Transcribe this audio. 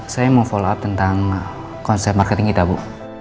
saya mau follow up tentang konsep marketing kita bu